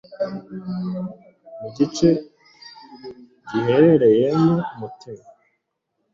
mu gice guherereyemo umutima